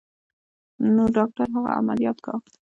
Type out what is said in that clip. نو ډاکتر هغه عمليات کا.